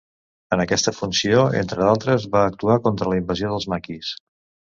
En aquesta funció, entre d'altres, va actuar contra la invasió dels maquis.